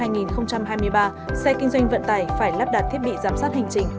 xe kinh doanh vận tải phải lắp đặt thiết bị giám sát hành trình